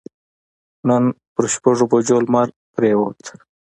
نن پر شپږ بجو لمر پرېوت.